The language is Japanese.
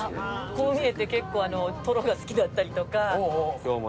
こう見えて結構トロが好きだったりとか。